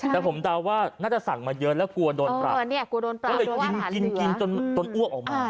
แต่ผมเดาว่าน่าจะสั่งมาเยอะแล้วกลัวโดนปรับก็เลยกินกินจนอ้วกออกมา